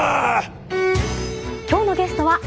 今日のゲストは眞栄田